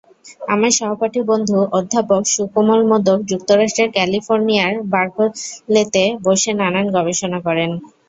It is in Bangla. আমার সহপাঠী বন্ধু অধ্যাপক সুকোমল মোদক যুক্তরাষ্ট্রের ক্যালিফোর্নিয়ার বার্কলেতে বসে নানান গবেষণা করেন।